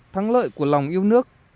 tháng lợi của lòng yêu nước